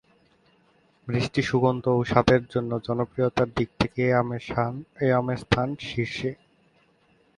মিষ্টি সুগন্ধ ও স্বাদের জন্য জনপ্রিয়তার দিক থেকে এ আমের স্থান শীর্ষে।